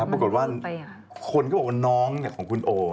ปรากฏว่าคนก็บอกว่าน้องของคุณโอ